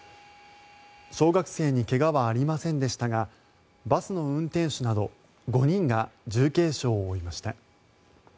小学生に怪我はありませんでしたがバスの運転手など５人が重軽傷を負いました。